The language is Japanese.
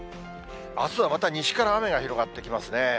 あすはまた西から雨が広がってきますね。